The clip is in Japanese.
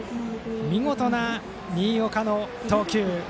見事な新岡の投球。